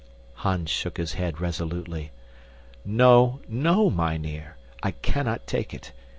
Hans shook his head resolutely. "No, no, mynheer. I cannot take it.